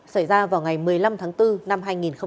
xảy ra vào ngày một mươi năm tháng bốn năm hai nghìn một mươi chín